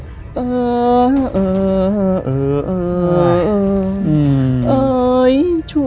คือก่อนอื่นพี่แจ็คผมได้ตั้งชื่อ